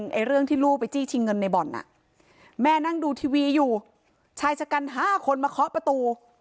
ไอ้เรื่องที่ลูกไปจี้ชิงเงินในบ่อนแม่นั่งดูทีวีอยู่ชายชะกัน๕คนมาเคาะประตู